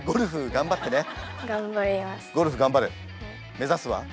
目指すは？